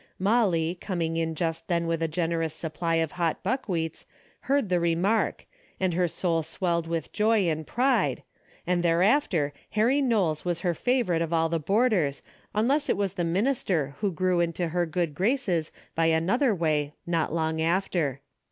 Molly, coming in just then with a generous supply of hot buckwheats heard the remark, and her soul swelled with joy and pride, and thereafter Harry Knowles was her favorite of all the boarders unless it was the minister who grew into her good graces by another way not long after.